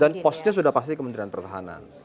dan postnya sudah pasti kementerian pertahanan